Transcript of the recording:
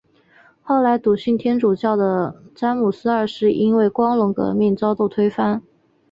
后来笃信天主教的詹姆斯二世因为光荣革命遭到推翻。